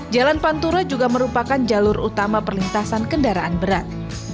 jalan pantura juga merupakan jalur utama perlintasan kendaraan berat